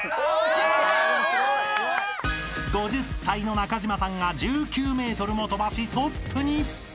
［５０歳の中島さんが１９ｍも飛ばしトップに］